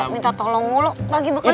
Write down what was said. minta tolong mulu pagi bukan ya kek